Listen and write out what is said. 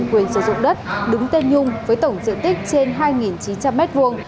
quyền sử dụng đất đúng tên nhung với tổng dự tích trên hai chín trăm linh